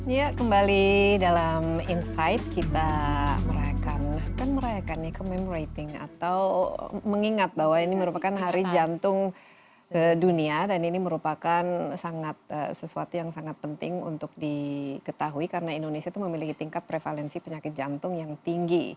ya kembali dalam insight kita merayakannya commorating atau mengingat bahwa ini merupakan hari jantung dunia dan ini merupakan sesuatu yang sangat penting untuk diketahui karena indonesia itu memiliki tingkat prevalensi penyakit jantung yang tinggi